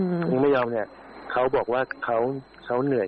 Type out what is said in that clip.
คงไม่ยอมเนี่ยเขาบอกว่าเขาเขาเหนื่อย